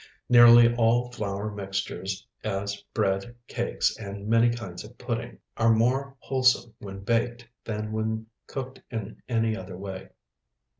Nearly all flour mixtures, as bread, cakes, and many kinds of pudding, are more wholesome when baked than when cooked in any other way.